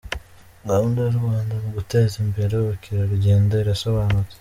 Gahunda y’u Rwanda mu guteza imbere ubukerarugendo irasobanutse.